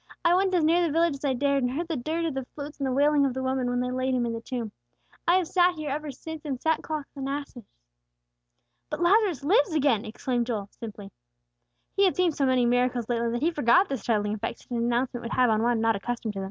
I went as near the village as I dared, and heard the dirge of the flutes and the wailing of the women, when they laid him in the tomb. I have sat here ever since in sackcloth and ashes." "But Lazarus lives again!" exclaimed Joel, simply. He had seen so many miracles lately, that he forgot the startling effect such an announcement would have on one not accustomed to them.